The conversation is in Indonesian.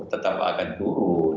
tetap akan turun